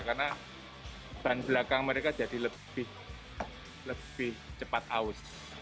karena ban belakang mereka jadi lebih cepat aus